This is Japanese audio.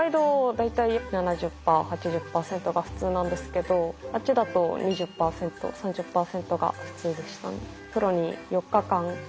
大体７０％８０％が普通なんですけどあっちだと２０％３０％が普通でした。